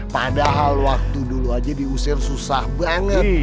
padahal waktu dulu aja diusir susah banget